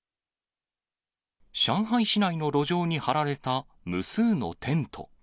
上海市内の路上に張られた無数のテント。